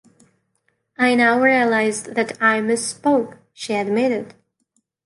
I now realize that I misspoke, she admitted.